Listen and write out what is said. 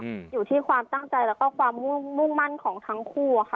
อืมอยู่ที่ความตั้งใจแล้วก็ความมุ่งมุ่งมั่นของทั้งคู่อะค่ะ